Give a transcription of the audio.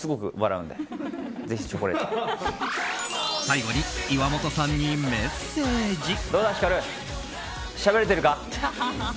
最後に岩本さんにメッセージ。